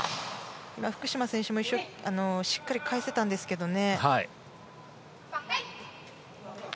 福島選手もしっかり返せたんですけどね。